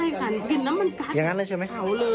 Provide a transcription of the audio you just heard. ใช่ค่ะกลิ่นน้ำมันการ์ดที่เผาเลยใช่